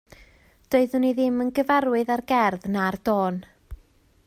Doeddwn i ddim yn gyfarwydd â'r gerdd na'r dôn